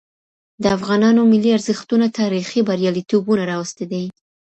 د افغانانو ملي ارزښتونه تاريخي برياليتوبونه راوستي دي.